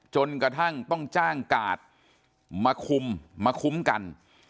จนกระทั่งต้องจ้างกาดมาคุมมาคุ้มกัน